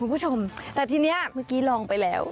คุณผู้ชมแต่ทีนี้เมื่อกี้ลองไปแล้ว